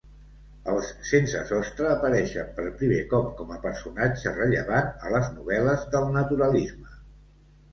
Els sensesostre apareixen per primer cop com a personatge rellevant a les novel·les del naturalisme.